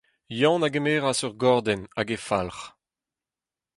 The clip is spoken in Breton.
Yann a gemeras ur gordenn hag e falc’h.